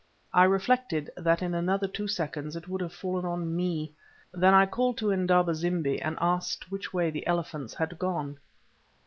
I reflected that in another two seconds it would have fallen on me. Then I called to Indaba zimbi and asked which way the elephants had gone.